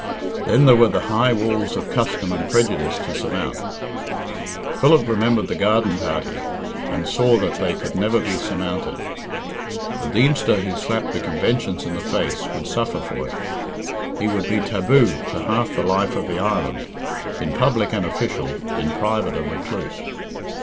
Then there were the high walls of custom and prejudice to surmount. Philip remembered the garden party, and saw that they could never be surmounted. The Deemster who slapped the conventions in the face would suffer for it. He would be taboo to half the life of the island in public an official, in private a recluse.